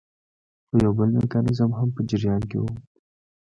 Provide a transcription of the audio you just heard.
خو یو بل میکانیزم هم په جریان کې وو.